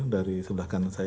dari sebelah kanan saya